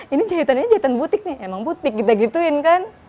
ini jahitannya jahitan butik nih emang butik kita gituin kan